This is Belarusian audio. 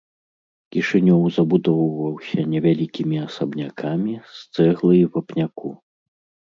Кішынёў забудоўваўся невялікімі асабнякамі з цэглы і вапняку.